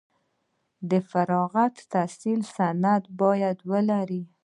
د فراغت تحصیلي سند باید ولري.